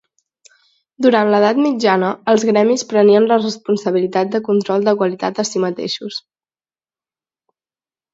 Durant l'edat mitjana, els gremis prenien la responsabilitat de control de qualitat a si mateixos.